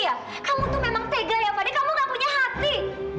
ma tolong dengerin kamila dulu